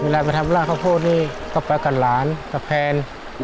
เวลาไปทำลากข้าวโพดนี่ก็ไปกับหลานกับแฟน